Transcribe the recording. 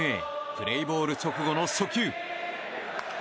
プレーボール直後の初球。